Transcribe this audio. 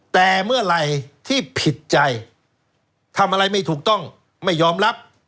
แต่เมื่อไหร่ที่ผิดใจทำอะไรไม่ถูกต้องไม่ยอมรับ